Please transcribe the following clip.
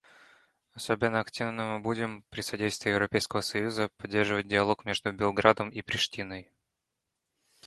Особенно активно мы будем, при содействии Европейского союза, поддерживать диалог между Белградом и Приштиной.